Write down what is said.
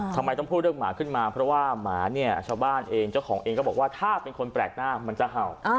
ทำไมต้องพูดเรื่องหมาขึ้นมาเพราะว่าหมาเนี่ยชาวบ้านเองเจ้าของเองก็บอกว่าถ้าเป็นคนแปลกหน้ามันจะเห่า